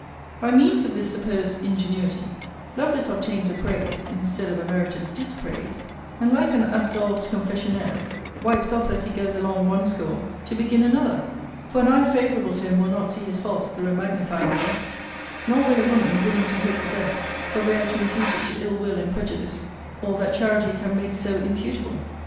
By means of this supposed ingenuity, Lovelace obtains a praise, instead of a merited dispraise; and, like an absolved confessionaire, wipes off as he goes along one score, to begin another: for an eye favourable to him will not see his faults through a magnifying glass; nor will a woman, willing to hope the best, forbear to impute it to ill will and prejudice all that charity can make so imputable.